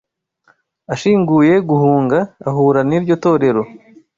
Ashinguye guhunga ahura niryo torero